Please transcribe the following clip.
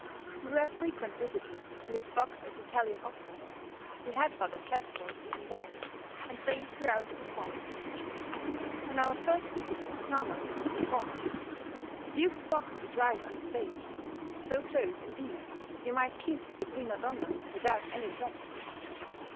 We were frequent visitors to his box at the Italian Opera; he had got a chess board even there, and played throughout the performance. On our first visit "Norma" was performed. The Duke's box is right on the stage; so close, indeed, that you might kiss the prima donna without any trouble.